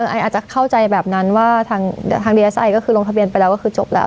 ไออาจจะเข้าใจแบบนั้นว่าทางดีเอสไอก็คือลงทะเบียนไปแล้วก็คือจบแล้ว